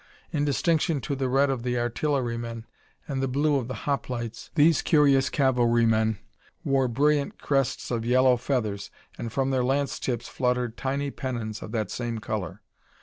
In distinction to the red of the artillerymen and the blue of the Hoplites, these curious cavalrymen wore brilliant crests of yellow feathers, and from their lance tips fluttered tiny pennons of that same color.